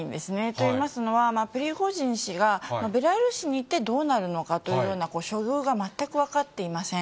といいますのは、プリゴジン氏がベラルーシに行ってどうなるのかというような、処遇が全く分かっていません。